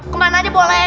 kemana aja boleh